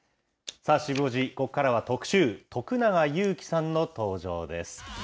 さあ、シブ５時、ここからは特集、徳永ゆうきさんの登場です。